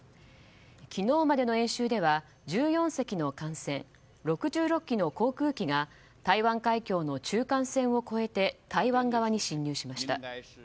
昨日までの演習では１４隻の艦船、６６機の航空機が台湾海峡の中間線を越えて台湾側に侵入しました。